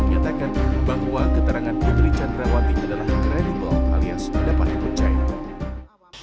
menyatakan bahwa keterangan ibu putri candrawati adalah kredibel alias tidak paling mencayai